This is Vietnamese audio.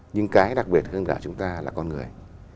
nhưng cái đặc biệt hơn cả chúng ta là con người